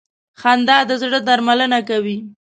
• خندا د زړه درملنه کوي.